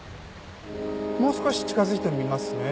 もう少し近づいてみますね。